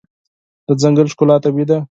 د ځنګل ښکلا طبیعي ده.